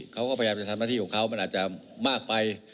เขาก็พยายามจะทำหน้าที่ของเขามันอาจจะมากไป